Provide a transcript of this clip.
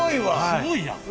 すごいやん。